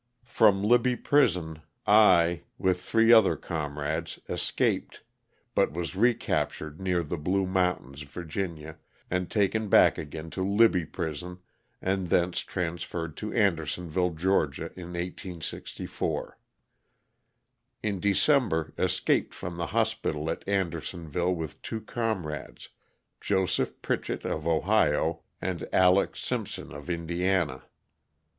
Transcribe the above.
From Libby prison, I, with LOSS OF THE SULTANA. 81 three other comrades, escaped, but was recaptured near the Blue Mountains, Va., and taken back again to Libby prison, and thence transferred to Anderson ville, Ga., in 1864. In December escaped from the hospital at Andersonville with two comrades, Joseph Pritchet of Ohio and Alex. Simpson of Indiana.